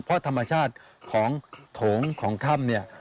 เพราะธรรมชาติของโถงของถ้ำเนี่ย